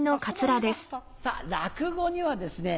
落語にはですね